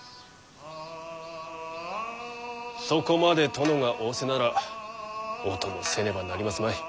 そこまで殿が仰せならお供せねばなりますまい。